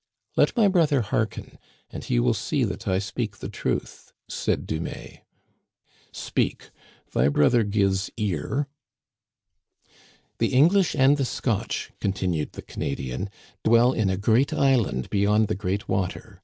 Let my brother hearken, and he will see that I speak the truth," said Dumais. "Speak, thy brother gives ear." The English and the Scotch," continued the Cana dian, " dwell in a great island beyond the great water.